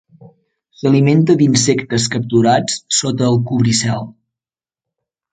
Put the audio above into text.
S'alimenta d'insectes capturats sota el cobricel.